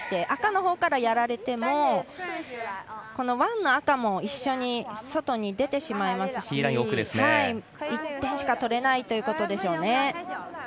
赤のほうからやられてもワンの赤も一緒に外に出てしまいますし１点しか取れないということでしょうね。